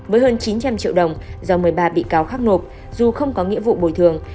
với hơn chín trăm linh triệu đồng do một mươi ba bị cáo khác nộp dù không có nghĩa vụ bồi thường